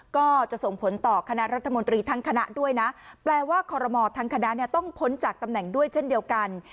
ก็จะส่งผลต่อคณะรัฐมนตรีทั้งคณะด้วยนะแปลว่าคอรมอทั้งคณะเนี่ยต้องพ้นจากตำแหน่งด้วยเช่นเดียวกัน